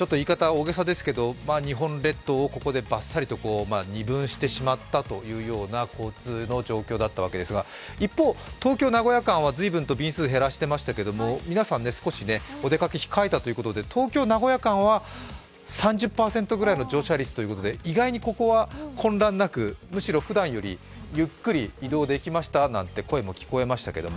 大げさですけど日本列島をここでばっさりと二分してしまったという交通の状況だったわけですが東京ー名古屋間は随分便数を減らしていましたが皆さん、少しお出かけ控えたということで東京−名古屋間は３０％くらいの乗車率ということで意外にここは混乱なく、むしろふだんよりゆっくり移動できましたなんて声が聞かれましたけど